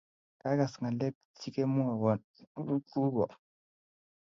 Kagaas ngalek chigemwowon kugo